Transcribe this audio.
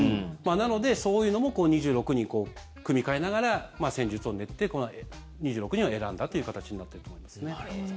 なので、そういうのも２６人組み替えながら戦術を練ってこの２６人を選んだという形になっていると思いますね。